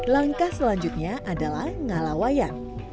langkah selanjutnya adalah ngalawayan